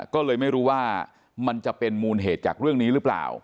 ก็เลยไม่รู้ว่ามันจะเป็นมูลเหตุจากเรื่องนี้หรือเปล่า